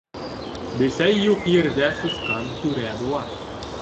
Бесәй юҡ ерҙә сысҡан түрә була.